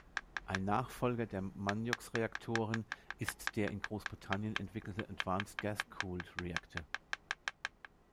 Ein Nachfolger der Magnox-Reaktoren ist der in Großbritannien entwickelte "Advanced Gas-cooled Reactor".